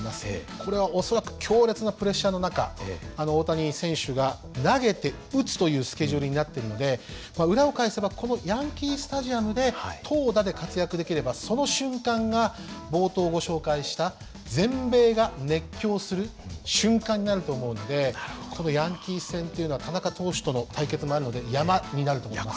これは恐らく強烈なプレッシャーの中大谷選手が投げて打つというスケジュールになっているので裏を返せばこのヤンキースタジアムで投打で活躍できればその瞬間が冒頭ご紹介した全米が熱狂する瞬間になると思うのでこのヤンキース戦というのは田中投手との対決もあるので山になると思います。